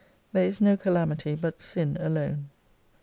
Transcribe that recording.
There is no calamity but Sin alone.